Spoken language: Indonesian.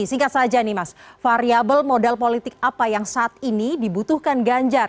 singkat saja nih mas variable modal politik apa yang saat ini dibutuhkan ganjar